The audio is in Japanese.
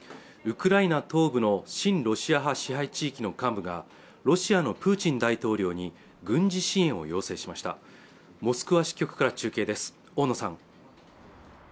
ウクライナ東部の親ロシア派支配地域の幹部がロシアのプーチン大統領に軍事支援を要請しましたモスクワ支局から中継です大野さん